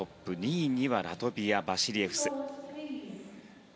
２位にはラトビアのバシリエフス。